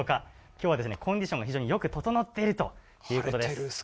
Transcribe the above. きょうは、コンディションが非常によく整っているということです。